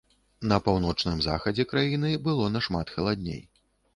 На паўночным захадзе краіны было нашмат халадней.